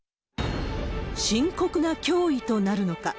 深刻な脅威となるのか。